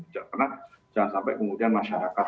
jangan sampai kemudian masyarakat